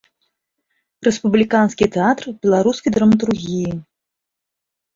Рэспубліканскі тэатр беларускай драматургіі.